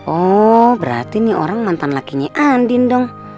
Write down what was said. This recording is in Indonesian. oh berarti nih orang mantan lakinya andin dong